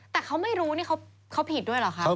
แต่เขาไม่รู้นี่เขาผิดด้วยเหรอคะ